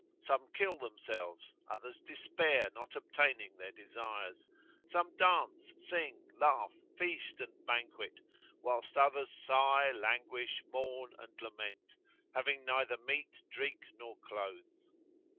Some kill themselves, others despair, not obtaining their desires. Some dance, sing, laugh, feast and banquet, whilst others sigh, languish, mourn and lament, having neither meat, drink, nor clothes.